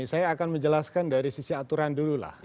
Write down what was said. saya akan menjelaskan dari sisi aturan dulu lah